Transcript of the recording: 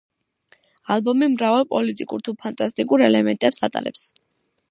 ალბომი მრავალ პოლიტიკურ თუ ფანტასტიკურ ელემენტებს ატარებს.